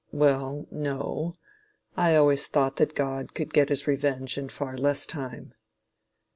Well, no. I always thought that God could get his revenge in far less time.